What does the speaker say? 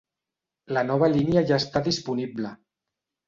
La nova línia ja està disponible.